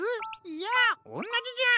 いやおんなじじゃ。